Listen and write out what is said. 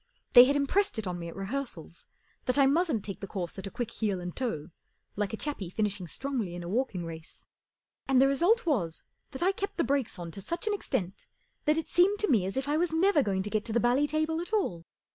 They had impressed it on me at rehearsals that I mustn't take the course at a quick heel and toe, like a chappie finishing strongly in a walking race; and the result was that I kept the brakes on to such an extent that it seemed to me as if I was never going to get to the bally table at all.